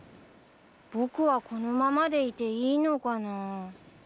僕はこのままでいていいのかなぁ。